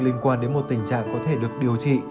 liên quan đến một tình trạng có thể được điều trị